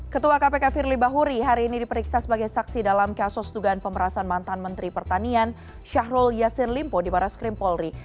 ketua kpk firly bahuri hari ini diperiksa sebagai saksi dalam kasus dugaan pemerasan mantan menteri pertanian syahrul yassin limpo di barat skrim polri